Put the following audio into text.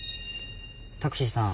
タクシーさん